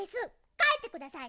かえってください！